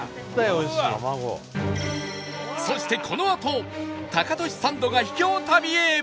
そしてこのあとタカトシサンドが秘境旅へ